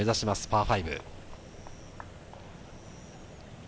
パー５。